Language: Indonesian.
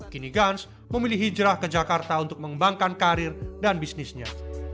kini guns memilih hijrah ke jakarta untuk mengembangkan karir dan bisnisnya